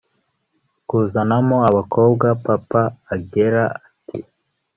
kuzanamo abakobwa papa angella ati